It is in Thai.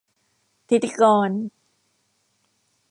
ฐิติกร